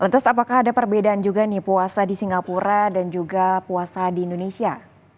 lantas apakah ada perbedaan juga nih puasa di singapura dan juga puasa di indonesia